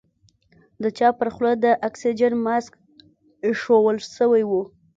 د چا پر خوله د اکسيجن ماسک ايښوول سوى و.